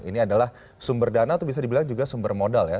ini adalah sumber dana atau bisa dibilang juga sumber modal ya